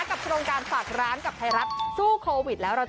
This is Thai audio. โครงการฝากร้านกับไทยรัฐสู้โควิดแล้วจ